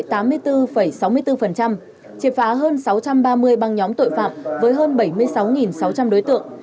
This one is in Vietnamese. triệt phá hơn sáu trăm ba mươi băng nhóm tội phạm với hơn bảy mươi sáu sáu trăm linh đối tượng